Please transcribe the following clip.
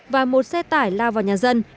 và một xe tải lao vào nhà dân